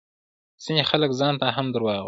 ځينې خلک ځانته هم دروغ وايي